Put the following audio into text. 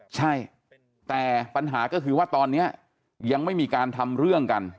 ใช่แต่ปัญหาก็คือว่าตอนนี้ยังไม่มีการทำเรื่องกัน